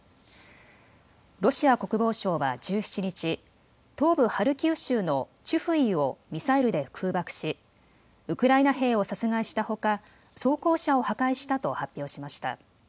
ロシア国防省は１７日、東部ハルキウ州のチュフイウをミサイルで空爆しウクライナ兵を殺害したほか装甲車を破壊したと発表しました。